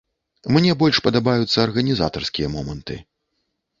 Мне больш падабаюцца арганізатарскія моманты.